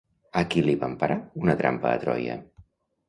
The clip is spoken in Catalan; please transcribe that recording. A qui li van parar una trampa a Troia?